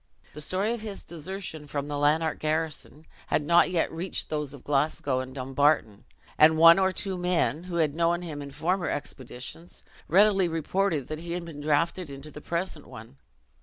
The story of his desertion from the Lanark garrison had not yet reached those of Glasgow and Dumbarton; and one or two men, who had known him in former expeditions, readily reported that he had been drafted into the present one.